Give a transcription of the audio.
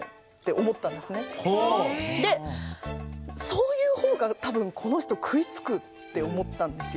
そういうほうが多分この人食いつくって思ったんですよ。